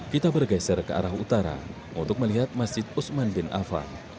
kita bergeser ke arah utara untuk melihat masjid usman bin afan